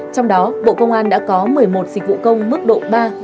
trong đó bộ công an đã có một mươi một dịch vụ công mức độ ba